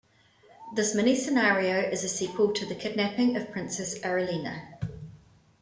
This miniscenario is a sequel to "The Kidnapping of Princess Arelina".